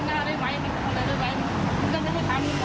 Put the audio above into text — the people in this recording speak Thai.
เอาดิเอาดิทั่วเหรอ